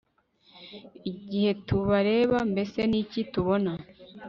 Igihe tubareba mbese ni iki tubona